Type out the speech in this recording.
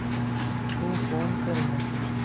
تُون فون ڪَر ھنک